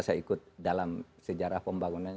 saya ikut dalam sejarah pembangunan